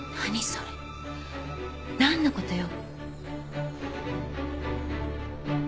それ何のことよ？